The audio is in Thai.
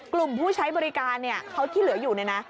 กลุ่มผู้ใช้บริการเนี่ยเขาที่เหลืออยู่เนี่ยนะ